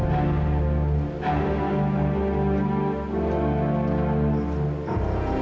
sampai jumpa ibu